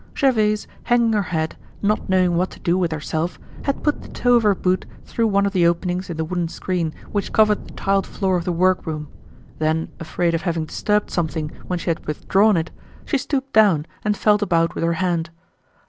Gervaise, hanging her head, not knowing what to do with herself had put the toe of her boot through one of the openings in the wooden screen which covered the tiled floor of the work room; then afraid of having disturbed something when she had withdrawn it, she stooped down and felt about with her hand.